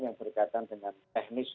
yang berkaitan dengan teknis